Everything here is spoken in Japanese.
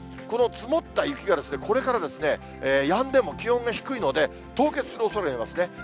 この積もった雪がですね、これからやんでも気温が低いので、凍結するおそれがありますね。